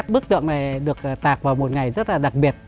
bức tượng này được tạc vào một ngày rất là đặc biệt